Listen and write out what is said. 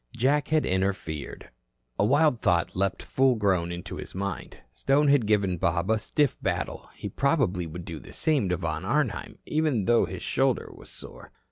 Jack had interfered. A wild thought leaped full grown into his mind. Stone had given Bob a stiff battle; he probably would do the same to Von Arnheim, even though his shoulder was sore.